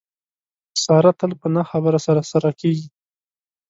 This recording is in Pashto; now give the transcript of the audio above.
ساره تل په نه خبره سره سره کېږي.